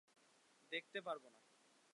দেখতে পারব না!